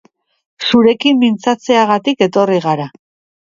Zurekin mintzatzeagatik etorri gara.